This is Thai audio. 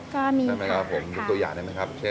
ก็มีค่ะใช่ไหมครับผมตัวอย่างได้ไหมครับเช่น